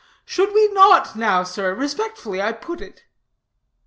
Should we not now, sir? respectfully I put it."